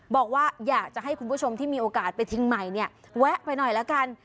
บอกว่าอยากจะให้คุณผู้ชมที่มีโอกาสไปทิ้งใหม่เนี่ยแวะไปหน่อยละกัน